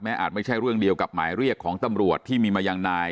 อาจไม่ใช่เรื่องเดียวกับหมายเรียกของตำรวจที่มีมายังนาย